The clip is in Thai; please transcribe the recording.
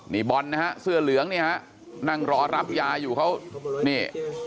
นี่บอลนะฮะเสื้อเหลืองเนี่ยฮะนั่งรอรับยาอยู่เขานี่